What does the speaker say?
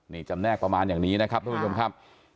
นี่จำแนกประมาณอย่างนี้นะครับทุกผู้ชมครับ